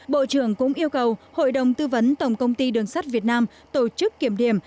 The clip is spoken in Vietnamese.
bộ trưởng cũng yêu cầu hội đồng tư vấn tổng công ty đường sắt việt nam tổ chức kiểm điểm